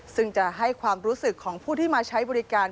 ซึ่งจะให้ความรู้สึกของผู้ที่มาใช้บริการ